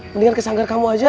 mendingan ke sanggar kamu aja